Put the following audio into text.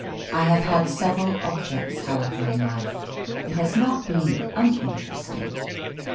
I have had several objects however in life; it has not been uninteresting.